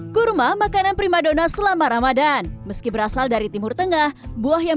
kurma makanan prima donna selama ramadhan meski berasal dari timur tengah buah yang